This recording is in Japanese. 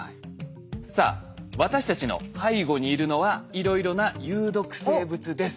さあ私たちの背後にいるのはいろいろな有毒生物です。